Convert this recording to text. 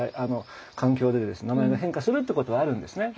名前が変化するっていうことはあるんですね。